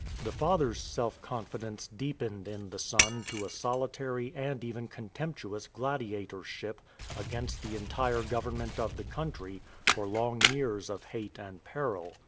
The father's self confidence deepened in the son to a solitary and even contemptuous gladiatorship against the entire government of the country, for long years of hate and peril.